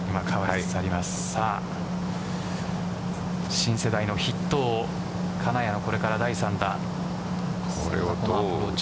新世代の筆頭金谷がこれから第３打。